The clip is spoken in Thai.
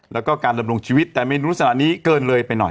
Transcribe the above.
แล้วก็การดำรงชีวิตแต่เมนูสละนี้เกินเลยไปหน่อย